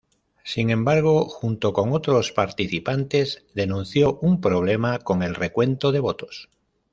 Sin embargo, junto con otros participantes denunció un problema con el recuento de votos.